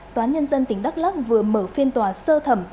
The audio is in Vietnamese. tòa nhân dân tỉnh đắk lắc vừa mở phiên tòa sơ thẩm